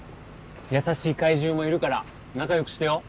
優しい怪獣もいるから仲良くしてよ。